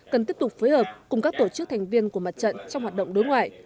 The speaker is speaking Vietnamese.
cần tiếp tục phối hợp cùng các tổ chức thành viên của mặt trận trong hoạt động đối ngoại